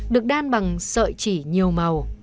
được đan bằng sợi chỉ nhiều màu